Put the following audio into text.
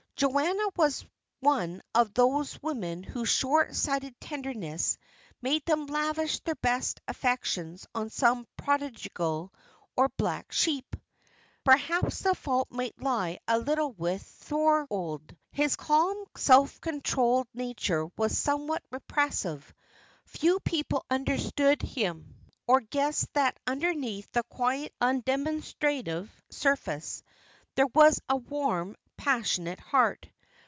Joanna was one of those women whose short sighted tenderness makes them lavish their best affection on some prodigal, or black sheep. Perhaps the fault might lie a little with Thorold. His calm, self controlled nature was somewhat repressive; few people understood him, or guessed that underneath the quiet, undemonstrative surface, there was a warm, passionate heart.